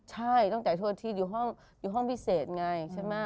ใช่ต้องจ่ายทั่วอาทิตย์อยู่ห้องพิเศษไง